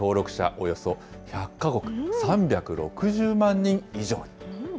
およそ１００か国、３６０万人以上に。